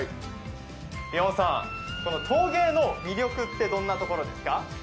ビョーンさん、陶芸の魅力ってどんなところですか？